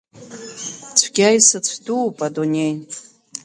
Цәгьа исыцәдууп адунеи.